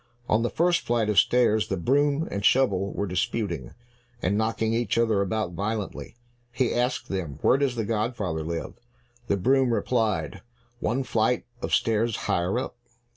On the first flight of stairs, the broom and shovel were disputing, and knocking each other about violently. He asked them, "Where does the godfather live?" The broom replied, "One flight of stairs higher up."